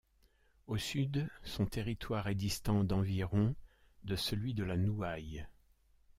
Au sud, son territoire est distant d'environ de celui de La Nouaille.